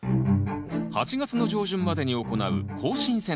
８月の上旬までに行う更新剪定。